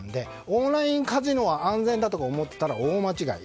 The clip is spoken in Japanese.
オンラインカジノは安全だと思っていたら大間違い。